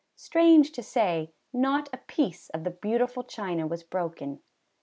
Strange to say not a piece of the beautiful china was broken.